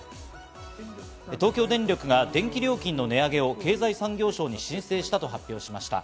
東京電力が電気料金の値上げを経済産業省に申請したと発表しました。